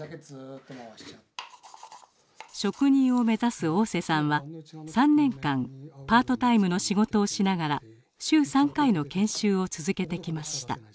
職人を目指す大瀬さんは３年間パートタイムの仕事をしながら週３回の研修を続けてきました。